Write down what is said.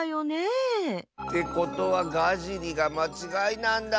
ってことはガジリがまちがいなんだ。